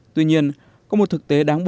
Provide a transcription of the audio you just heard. tuy nhiên có một thực tế đáng quý